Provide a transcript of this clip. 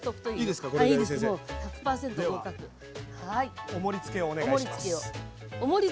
ではお盛りつけをお願いします。